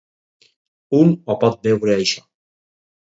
Un ho pot veure això.